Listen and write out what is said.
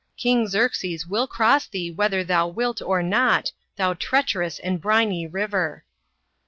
King Xerxes will cross thee whether thou wilt or not, thou treacherous and briny river."